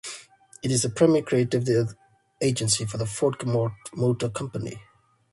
It is the primary creative agency for the Ford Motor Company.